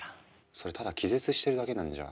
それただ気絶してるだけなんじゃ。